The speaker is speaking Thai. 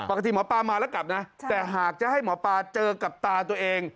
ปกติหมอปลามาแล้วกลับนะแต่หากจะให้หมอปลาเจอกับตาตัวเอง